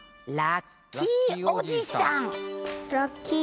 ラッキーおじさん。